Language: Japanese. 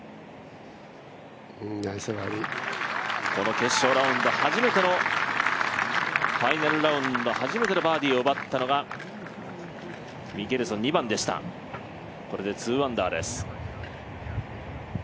この決勝ラウンド、初めてのファイナルラウンド初めてのバーディーを奪ったのはミケルソン、これで２アンダーです。